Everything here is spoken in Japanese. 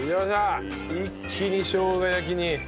一気にしょうが焼きに。